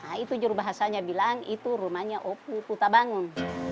nah itu jurubahasanya bilang itu rumahnya putabangun